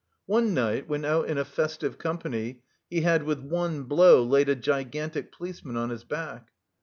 One night, when out in a festive company, he had with one blow laid a gigantic policeman on his back.